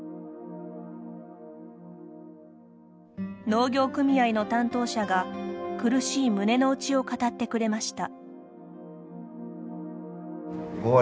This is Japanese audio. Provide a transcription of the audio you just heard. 農業組合の担当者が苦しい胸の内を語ってくれました。